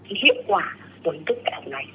cũng như băn khoăn về hiệu quả của hình thức dạy học này